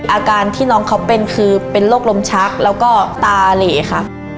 อาการที่น้องเขาเป็นคือเป็นโรคลมชักแล้วก็ตาเหลค่ะ